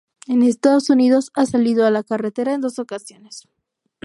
En Estados Unidos ha salido a la carretera en dos ocasiones.